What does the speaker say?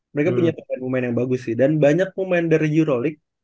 mereka punya pemain pemain yang bagus sih dan banyak pemain dari euro league